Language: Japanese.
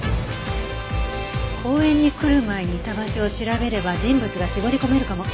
公園に来る前にいた場所を調べれば人物が絞り込めるかも。